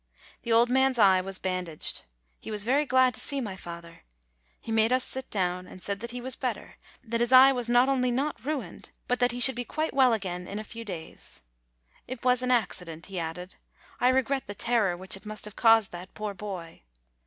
The old man's eye was bandaged. He was very glad to see my father; he made us sit down, and said that he was better, that his eye was not only not ruined, but that he should be quite well again in a few days. "It was an accident," he added. "I regret the terror which it must have caused that poor boy."